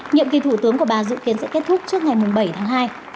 nhiệm kỳ thủ tướng của bà dự kiến sẽ kết thúc trước ngày bảy tháng hai